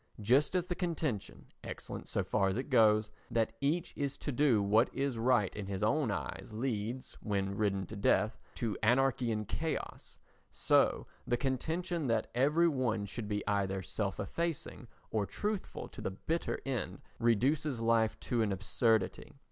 Just as the contention, excellent so far as it goes, that each is to do what is right in his own eyes leads, when ridden to death, to anarchy and chaos, so the contention that every one should be either self effacing or truthful to the bitter end reduces life to an absurdity.